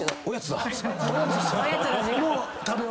おやつだ。